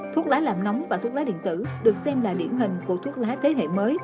thuốc lá làm nóng và thuốc lá điện tử được xem là điển hình của thuốc lá thế hệ mới